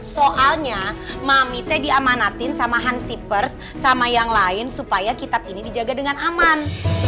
soalnya mami teh diamanatin sama hansi pers sama yang lain supaya kitab ini dijaga dengan aman